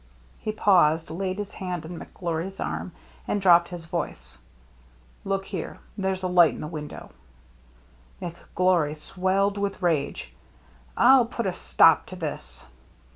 He paused, laid his hand on McGlory *s arm, and dropped his voice. " Lx>ok there ! There's a light in the window." McGlory swelled with rage. "I'll put a stop to this!"